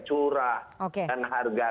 curah dan harga